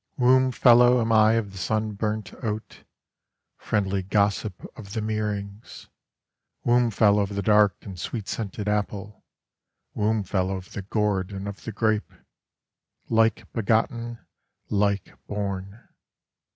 Womb fellow am I of the sunburnt oat, Friendly gossip of the mearings; Womb fellow of the dark and sweet scented apple; Womb fellow of the gourd and of the grape:Like begotten, like born.